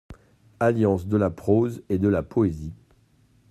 Alliance de la prose et de la poésie.